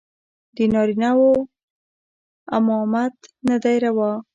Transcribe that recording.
د نارينو امامت نه دى روا.